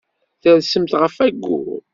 Tersemt ɣef wayyur.